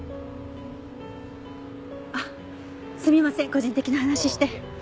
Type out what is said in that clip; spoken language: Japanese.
あっすみません個人的な話して。